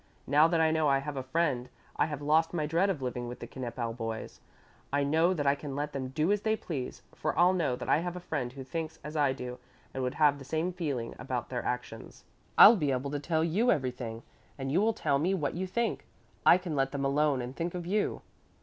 Now that I know I have a friend I have lost my dread of living with the Knippel boys. I know that I can let them do as they please, for I'll know that I have a friend who thinks as I do and would have the same feeling about their actions, I'll be able to tell you everything, and you will tell me what you think. I can let them alone and think of you."